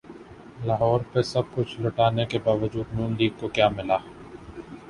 لاہور پہ سب کچھ لٹانے کے باوجود ن لیگ کو کیا ملا؟